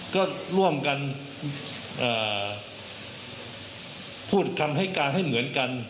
ก็ร่วมกันพูดคำให้การให้เหมือนกัน